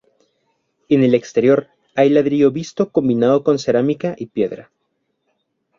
En el exterior hay ladrillo visto combinado con cerámica y piedra.